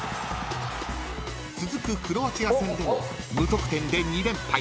［続くクロアチア戦でも無得点で］